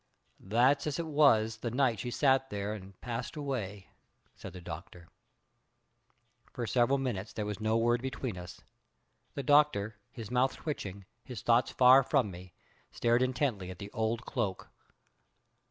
"That's as it was the night she sat there and passed away," said the Doctor. For several minutes there was no word between us. The Doctor, his mouth twitching, his thoughts far from me, stared intently at the old cloak.